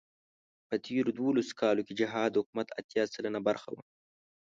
په تېرو دولسو کالو کې جهاد د حکومت اتيا سلنه برخه وه.